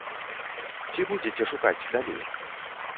Ці будзеце шукаць далей?